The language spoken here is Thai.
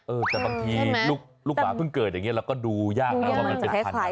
เออแต่บางทีลูกบาเพิ่งเกิดอย่างนี้เราก็ดูยากแล้วว่ามันเป็นพันอะไร